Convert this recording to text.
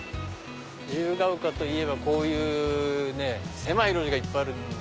自由が丘といえばこういうね狭い路地がいっぱいあるんで。